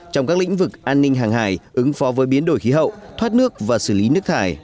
trong các lĩnh vực an ninh hàng hải ứng phó với biến đổi khí hậu thoát nước và xử lý nước thải